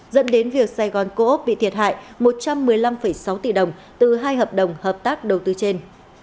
dẫn đến việc sài gòn co op bị thiệt hại một trăm một mươi năm sáu tỷ đồng từ hai hợp đồng hợp tác đầu tư trên